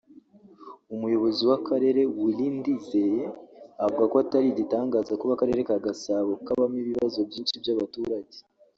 Umuyobozi w’Akarere Willy Ndizeye avuga ko atari igitangaza kuba akarere ka Gasabo kabamo ibibazo byinshi by’abaturage